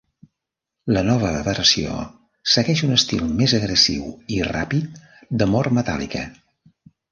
La nova versió segueix un estil més agressiu i ràpid de mort metàl·lica.